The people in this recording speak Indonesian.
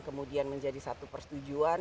kemudian menjadi satu persetujuan